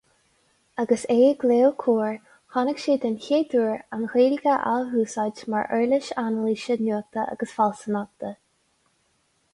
Agus é ag léamh Comhar, chonaic sé den chéad uair an Ghaeilge á húsáid mar uirlis anailíse nuachta agus fealsúnachta.